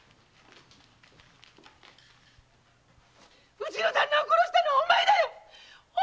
・うちの旦那を殺したのはお前だよ